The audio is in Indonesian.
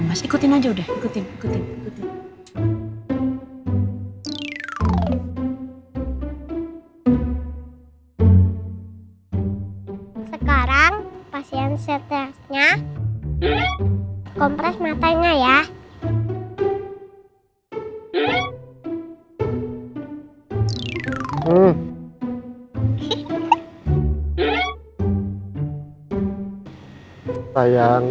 bisa buka dulu matanya